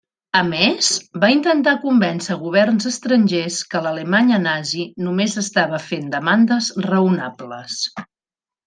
A més, va intentar convèncer governs estrangers que l'Alemanya Nazi només estava fent demandes raonables.